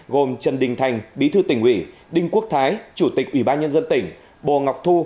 gồm trần đình thành bí thư tỉnh ủy đinh quốc thái chủ tịch ủy ban nhân dân tỉnh bồ ngọc thu